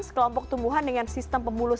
sekelompok tumbuhan dengan sistem pemulus